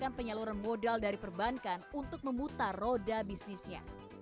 kami juga menggunakan penyaluran modal dari perbankan untuk memutar roda bisnisnya